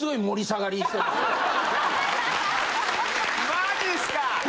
マジっすか！？